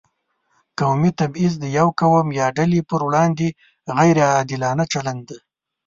قومي تبعیض د یو قوم یا ډلې پر وړاندې غیر عادلانه چلند دی.